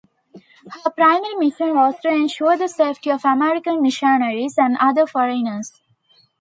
Her primary mission was to ensure the safety of American missionaries and other foreigners.